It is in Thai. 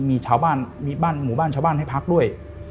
มีชาวบ้านมีบ้านหมู่บ้านชาวบ้านให้พักด้วย